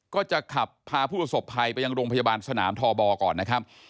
ก็จะขับพาผู้ประสบภัยไปยังโรงพยาบาลสนามทบก่อนนะครับ